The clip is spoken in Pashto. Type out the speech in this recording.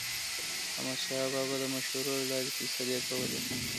احمدشاه بابا به د مشورو له لارې فیصلې کولې.